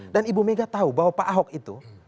dan ibu mega tahu bahwa pak ahok itu